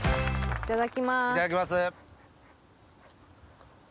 いただきます！